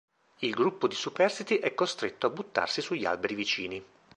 Il gruppo di superstiti è costretto a buttarsi sugli alberi vicini.